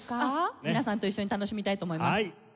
皆さんと一緒に楽しみたいと思います。